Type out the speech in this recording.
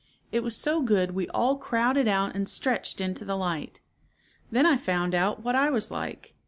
" It was so good we all crowded out and stretched into the light. Then I found out what I was like.